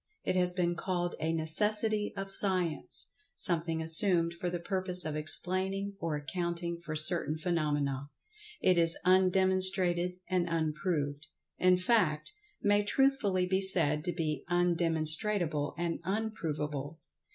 It has been called a "necessity of Science"—something assumed for the purpose of explaining or accounting for certain phenomena. It is undemonstrated and unproved—in fact, may truthfully be said to be undemonstrable and unprovable.